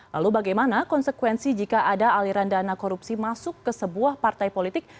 lalu bagaimana konsekuensi jika ada aliran dana korupsi masuk ke sebuah partai politik